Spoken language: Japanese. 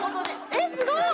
えっすごい！